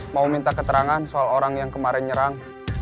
mau minta keterangan soal orang yang kemarin nyerang